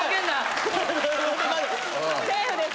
セーフです。